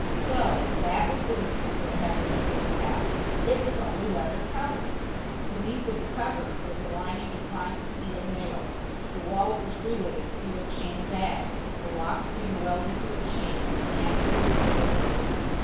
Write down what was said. So that was the reason for the heaviness of the pouch it was only leather covered! Beneath this cover was a lining of fine steel mail. The wallet was really a steel chain bag, the locks being welded to the chain and absolutely immovable.